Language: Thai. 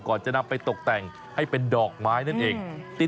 จะนำไปตกแต่งให้เป็นดอกไม้นั่นเอง